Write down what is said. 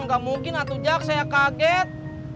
gak mungkin atut jak saya kaget